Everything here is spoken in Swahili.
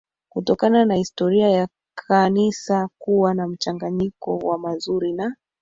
kutokana na historia ya Kanisa kuwa na mchanganyiko wa mazuri na